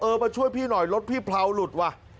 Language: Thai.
เออมาช่วยพี่หน่อยรถพี่พร้าวหลุดว่ะ